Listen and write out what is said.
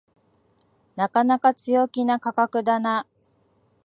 なかなか強気な価格だな